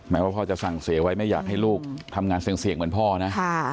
ว่าพ่อจะสั่งเสียไว้ไม่อยากให้ลูกทำงานเสี่ยงเหมือนพ่อนะ